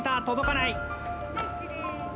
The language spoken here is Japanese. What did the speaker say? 届かない。